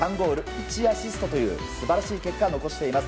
１アシストという素晴らしい結果を残しています。